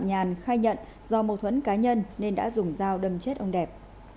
huỳnh thanh nhàn khai nhận do mâu thuẫn cá nhân nên đã dùng dao đâm chết ông đẹp